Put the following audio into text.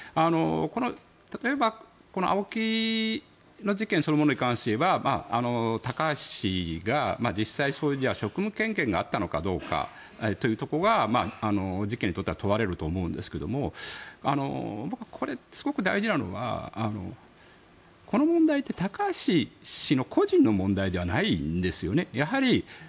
例えば、このＡＯＫＩの事件そのものに関して言えば高橋氏が実際に職務権限があったのかどうかというところがこの事件にとっては問われると思いますがこれ、すごく大事なのはこの問題って高橋氏の個人の問題じゃないんですよね。